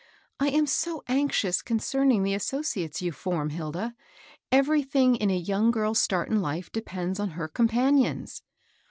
I am so anxious concerning the associates you form, Hilda. Etr^ thing in a young girl's start in life depends on her companions."